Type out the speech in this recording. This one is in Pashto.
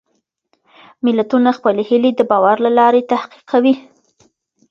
ملتونه خپلې هېلې د باور له لارې تحقق کوي.